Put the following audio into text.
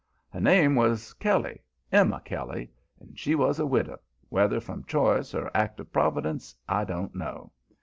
Her name was Kelly, Emma Kelly, and she was a widow whether from choice or act of Providence I don't know.